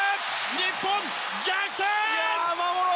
日本、逆転！